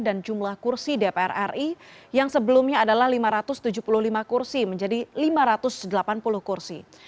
dan jumlah kursi dpr ri yang sebelumnya adalah lima ratus tujuh puluh lima kursi menjadi lima ratus delapan puluh kursi